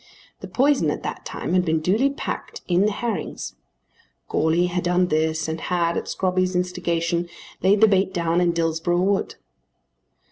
The poison at that time had been duly packed in the herrings. Goarly had done this and had, at Scrobby's instigation, laid the bait down in Dillsborough Wood.